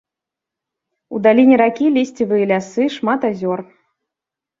У даліне ракі лісцевыя лясы, шмат азёр.